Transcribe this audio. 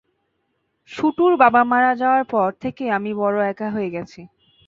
শুটুর বাবা মারা যাওয়ার পর থেকে আমি বড় একা হয়ে গেছি।